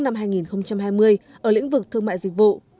năm hai nghìn hai mươi ở lĩnh vực thương mại dịch vụ